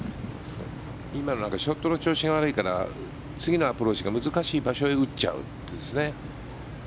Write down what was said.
今ショットの調子が悪いから次のアプローチが難しい場所へ打っちゃうという。